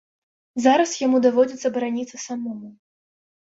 Зараз яму даводзіцца бараніцца самому.